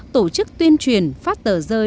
tổ chức tuyên truyền phát tờ rơi